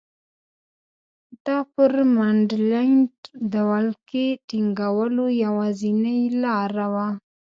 دا پر منډلینډ د ولکې ټینګولو یوازینۍ لاره وه.